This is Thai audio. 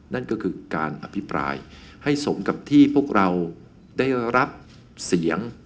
นั่นก็คือการอภิปรายให้สมกับที่พวกเราได้รับเสียง